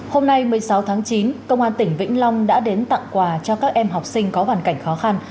hôm nay một mươi sáu tháng chín công an tỉnh vĩnh long đã đến tặng quà cho các em học sinh có hoàn cảnh khó khăn